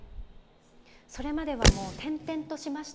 それまではもう転々としましたね。